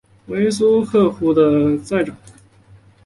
为苏克素护河部沾河寨长。